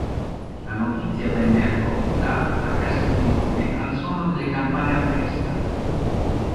La notizia venne accolta a Castiglione al suono delle campane a festa.